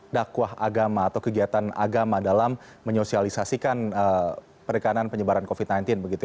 dakwah agama atau kegiatan agama dalam menyosialisasikan perikanan penyebaran covid sembilan belas